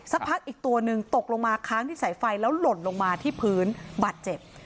พักอีกตัวหนึ่งตกลงมาค้างที่สายไฟแล้วหล่นลงมาที่พื้นบาดเจ็บ